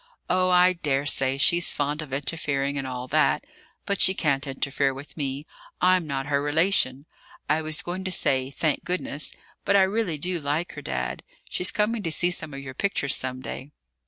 "Oh, I daresay she's fond of interfering and all that; but she can't interfere with me; I'm not her relation I was going to say 'Thank goodness,' but I really do like her, Dad. She's coming to see some of your pictures some day."